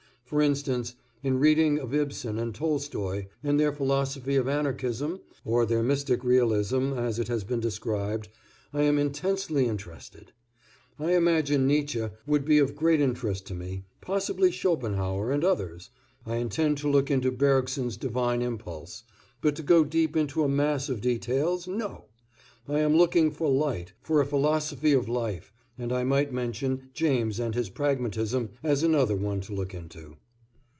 For instance, in reading of Ibsen and Tolstoy and their philosophy of anarchism, or their mystic realism as it has been described, I am intensely interested. I imagine Nietzsche would be of great interest to me, possibly Schopenhauer and others I intend to look into Bergson's divine impulse, but to go deep into a mass of details, no! I am looking for light, for a philosophy of life, and I might mention James and his Pragmatism as another one to look into.